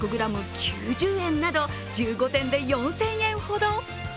９０円など、１５点で４０００円ほど。